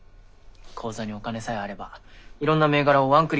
口座にお金さえあればいろんな銘柄をワンクリックで買えるんだ。